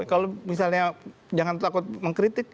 kalau misalnya jangan takut mengkritik